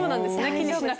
気にしなくて。